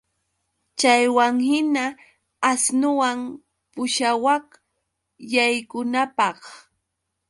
Chaywanhina asnuwan pushawaq yaykunanpaq